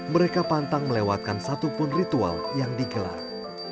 mereka pantang melewatkan satupun ritual yang digelar